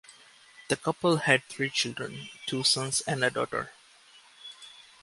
The couple had three children, two sons and a daughter.